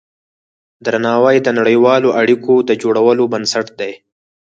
درناوی د نړیوالو اړیکو د جوړولو بنسټ دی.